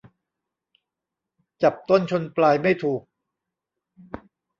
จับต้นชนปลายไม่ถูก